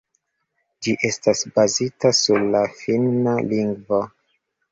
Ĝi estas bazita sur la Finna lingvo.